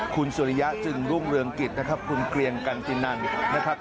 คุณสุริยะจึงรุ่งเรืองกิจนะครับคุณเกรียงกันตินันนะครับ